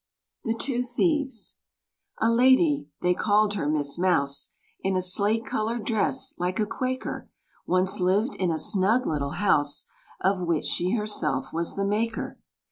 =The Two Thieves= A lady, they called her Miss Mouse, In a slate colored dress, like a Quaker, Once lived in a snug little house, Of which she herself was the maker.